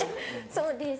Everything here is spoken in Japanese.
そうです。